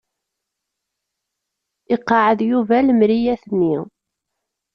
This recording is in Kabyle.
Iqeɛɛed Yuba lemriyat-nni.